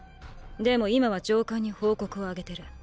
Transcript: でも今は上官に報告を上げてる。